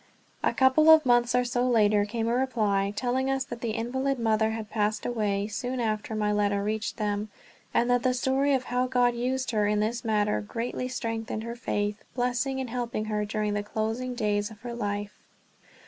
A couple of months or so later came a reply, telling us that the invalid mother passed away soon after my letter reached them; and that the story of how God had used her in this matter greatly strengthened her faith, blessing and helping her during the closing days of her life.